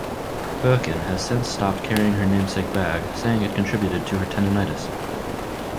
Birkin has since stopped carrying her namesake bag, saying it contributed to her tendonitis.